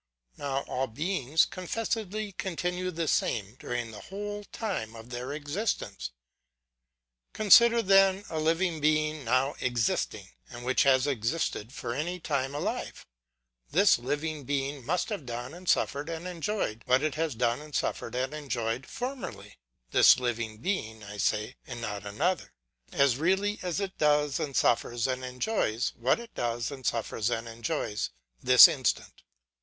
Now all beings con fessedly continue the same, during the whole time of their existence. Consider then a living being now exist ing, and which has existed for any time alive : this living being must have done and suffered and enjoyed, what it has done and suffered and enjoyed formerly (this living being, I say, and not another), as really as it does and suffers and enjoys, what it does and suffers and enjoys this instant.